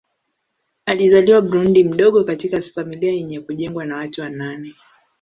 Alizaliwa Burundi mdogo katika familia yenye kujengwa na watu wa nane.